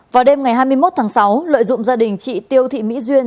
vào đêm ngày hai mươi một tháng sáu lợi dụng gia đình chị tiêu thị mỹ duyên